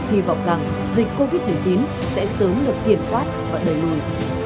hy vọng rằng dịch covid một mươi chín sẽ sớm được hiểm phát và đẩy lùi